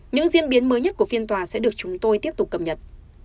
những diễn biến mới nhất của phiên tòa sẽ được chúng tôi tiếp tục cập nhật